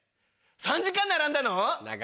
３時間並んだの？